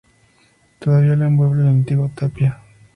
Todavía lo envuelve la antigua tapia.